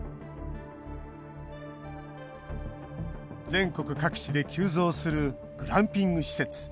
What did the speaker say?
全国各地で急増するグランピング施設。